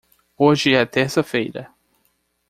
Hoje é terça-feira.